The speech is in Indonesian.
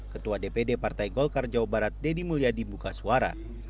ketua dpd partai golkar jawa barat deddy mulyadi buka suara